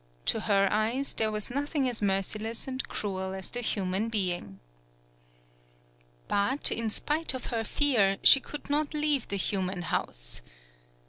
To her eyes, there was nothing as merciless and cruel as the human being. But, in spite of her fear, she could not leave the human house.